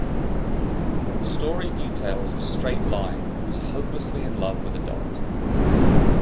The story details a straight line who is hopelessly in love with a dot.